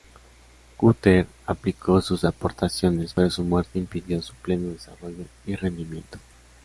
Cutter aplicó sus aportaciones, pero su muerte impidió su pleno desarrollo y rendimiento.